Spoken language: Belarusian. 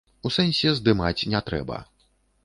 У сэнсе здымаць не трэба.